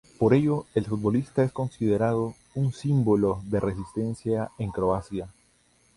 Por ello el futbolista es considerado un símbolo de resistencia en Croacia.